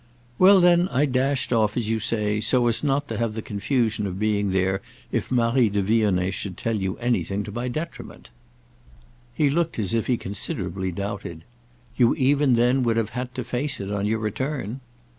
"Well then I dashed off, as you say, so as not to have the confusion of being there if Marie de Vionnet should tell you anything to my detriment." He looked as if he considerably doubted. "You even then would have had to face it on your return."